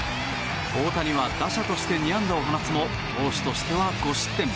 大谷は、打者として２安打を放つも投手では５失点。